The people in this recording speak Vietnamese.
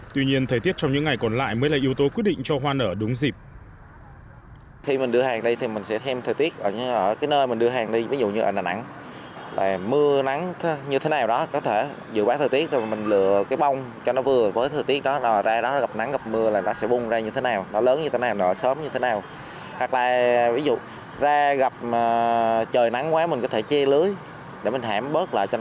tuy nhiên thời tiết trong những ngày còn lại mới là yếu tố quyết định cho hoa nở đúng dịp